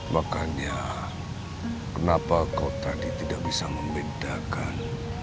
makanya kenapa kau tadi tidak bisa membedakan